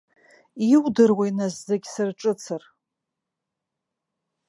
Иудыруеи нас зегь сырҿыцыр.